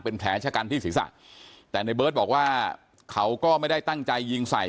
เป็นแผลชะกันที่ศีรษะแต่ในเบิร์ตบอกว่าเขาก็ไม่ได้ตั้งใจยิงใส่